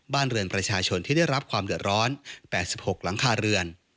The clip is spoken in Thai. บ้านเรือนประชาชนที่ได้รับความเดือดร้อน๘๖หลังคาเรือน